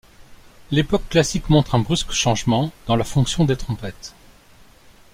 L’époque classique montre un brusque changement dans la fonction des trompettes.